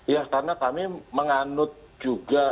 ya karena kami menganut juga